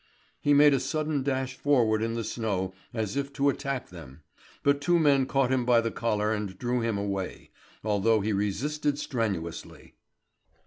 He made a sudden dash forward in the snow as if to attack them; but two men caught him by the collar and drew him away, although he resisted strenuously.